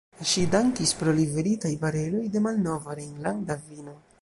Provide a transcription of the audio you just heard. Ŝi dankis pro liveritaj bareloj da malnova rejnlanda vino.